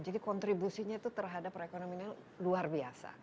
jadi kontribusinya itu terhadap perekonomian luar biasa